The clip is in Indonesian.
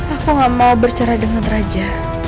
aku gak mau bicara dengan raja